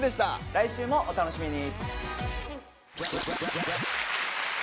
来週もお楽しみに！